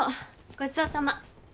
ごちそうさま。